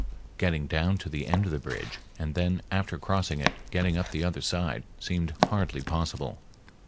Getting down to the end of the bridge, and then after crossing it getting up the other side, seemed hardly possible.